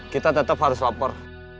kita tetap harus lapor